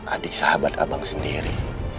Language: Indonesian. adik sahabat abang sendiri